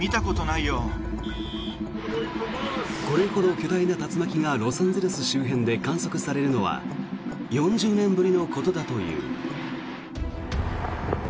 これほど巨大な竜巻がロサンゼルス周辺で観測されるのは４０年ぶりのことだという。